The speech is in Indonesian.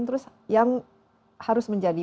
terus yang harus menjadi